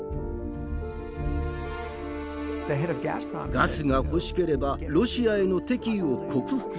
「ガスが欲しければロシアへの敵意を克服しろ」。